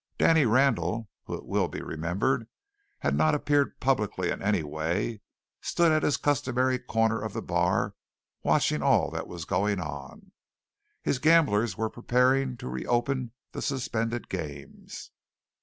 Danny Randall, who, it will be remembered, had not appeared publicly in any way, stood at his customary corner of the bar watching all that was going on. His gamblers were preparing to reopen the suspended games.